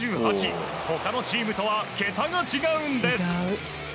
他のチームとは桁が違うんです。